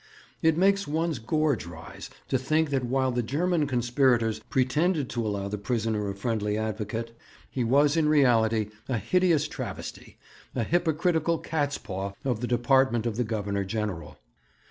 It makes one's gorge rise to think that while the German conspirators pretended to allow the prisoner a friendly advocate, he was in reality a hideous travesty, a hypocritical cat's paw of the Department of the Governor General.